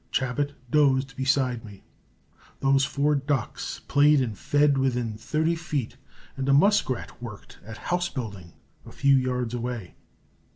Chabot dozed beside me. Those four ducks played and fed within thirty feet, and a muskrat worked at house building a few yards away.